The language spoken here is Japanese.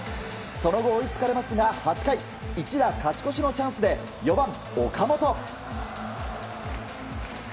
その後、追いつかれますが８回一打勝ち越しのチャンスで４番、岡本。